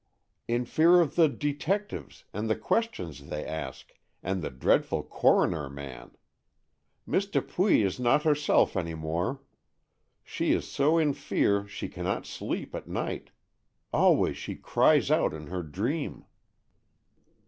"In fear of the detectives, and the questions they ask, and the dreadful coroner man. Miss Dupuy is not herself any more; she is so in fear she cannot sleep at night. Always she cries out in her dream."